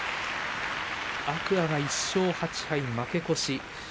天空海が１勝８敗、負け越し。